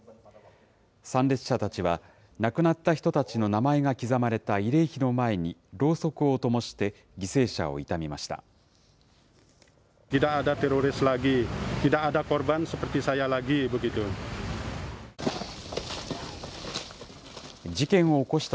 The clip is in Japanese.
参列者たちは、亡くなった人たちの名前が刻まれた慰霊碑の前にろうそくをともして犠牲者を悼みました。